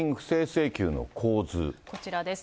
こちらです。